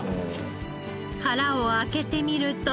殻を開けてみると。